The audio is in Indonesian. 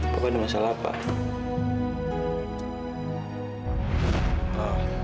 papa ada masalah pak